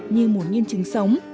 như một nghiên trình sống